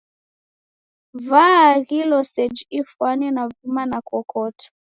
Vaaghilo seji ifwane na vuma na kokoto